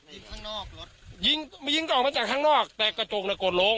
ยิงข้างนอกรถยิงยิงออกมาจากข้างนอกแต่กระจกน่ะกดลง